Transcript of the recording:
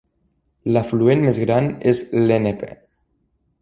L'afluent més gran és l'Ennepe.